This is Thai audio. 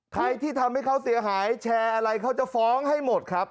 ใครที่ทำให้เขาเสียหายแชร์อะไรเขาจะฟ้องให้หมดครับ